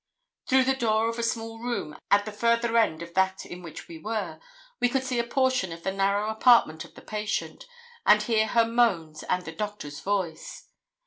Through the door of a small room at the further end of that in which we were, we could see a portion of the narrow apartment of the patient, and hear her moans and the doctor's voice.